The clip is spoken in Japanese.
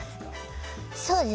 そうですね。